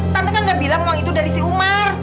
tante kan udah bilang uang itu dari si umar